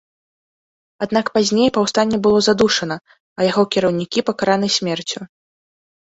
Аднак пазней паўстанне было задушана, а яго кіраўнікі пакараны смерцю.